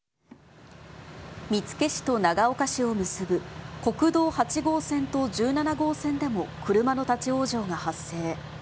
見附市と長岡市を結ぶ国道８号線と１７号線でも車の立往生が発生。